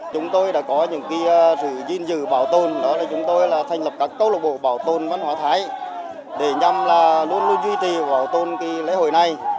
chúng tôi đã có những sự duyên dự bảo tồn đó là chúng tôi là thành lập các câu lạc bộ bảo tồn văn hóa thái để nhằm luôn luôn duy trì bảo tồn lễ hội này